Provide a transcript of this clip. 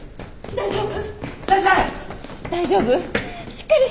大丈夫？